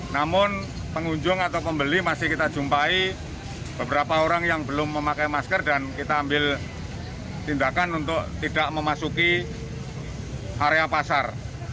namun pengunjung atau pembeli masih kita jumpai beberapa orang yang belum memakai masker dan kita ambil tindakan untuk tidak memasuki area pasar